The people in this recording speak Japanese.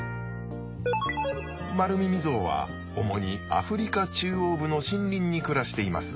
マルミミゾウは主にアフリカ中央部の森林に暮らしています。